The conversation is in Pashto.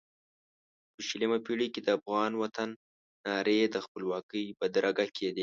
په شلمه پېړۍ کې د افغان وطن نارې د خپلواکۍ بدرګه کېدې.